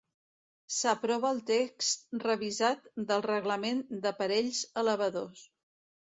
S'aprova el text revisat del Reglament d'Aparells Elevadors.